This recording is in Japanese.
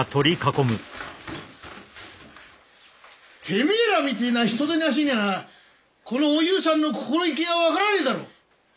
てめえらみてえな人でなしにゃあなこのお夕さんの心意気が分からねえだろう！